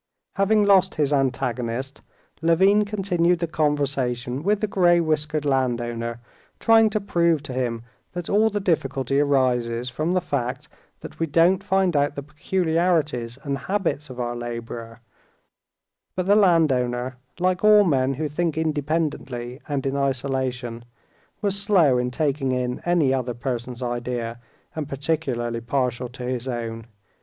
Having lost his antagonist, Levin continued the conversation with the gray whiskered landowner, trying to prove to him that all the difficulty arises from the fact that we don't find out the peculiarities and habits of our laborer; but the landowner, like all men who think independently and in isolation, was slow in taking in any other person's idea, and particularly partial to his own.